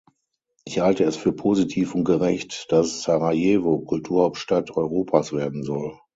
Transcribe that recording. Ich halte es für positiv und gerecht, dass Sarajevo Kulturhauptstadt Europas werden soll.